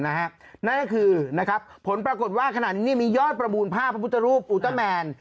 นั่นก็คือผลปรากฏว่าขณะนี้มียอดประมูลภาพพระพุทธรูปอูเตอร์แมน